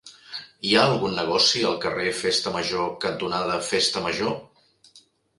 Hi ha algun negoci al carrer Festa Major cantonada Festa Major?